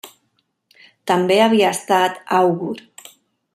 També havia estat àugur.